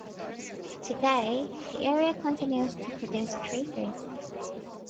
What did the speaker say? Today, the area continues to produce tree fruits.